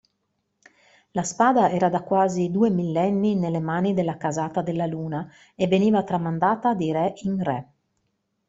La spada era da quasi due millenni nelle mani della casata Della Luna e veniva tramandata di re in re.